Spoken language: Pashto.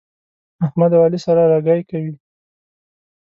احمد او علي سره رګی کوي.